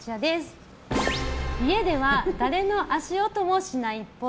家では誰の足音もしないっぽい。